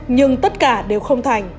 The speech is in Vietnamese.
nhưng tất cả đều không thành